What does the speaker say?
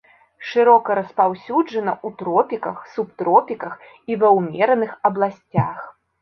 Шырока распаўсюджана ў тропіках, субтропіках і ва ўмераных абласцях.